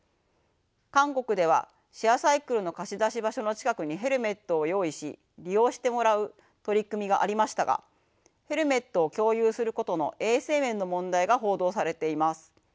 韓国ではシェアサイクルの貸し出し場所の近くにヘルメットを用意し利用してもらう取り組みがありましたがヘルメットを共有することの衛生面の問題が報道されています。